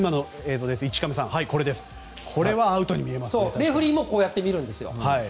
レフェリーもこうやって見るんですよ。